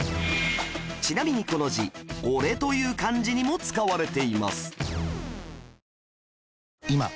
ちなみにこの字「おれ」という漢字にも使われています